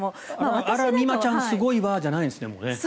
あら、美誠ちゃんすごいわ、じゃないんですね。